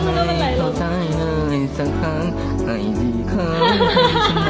อะจ๊ะมีสนแต่มีผัวเราไหน